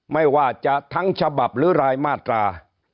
ไม่ว่าจะทั้งฉบับหรือรายมาตรา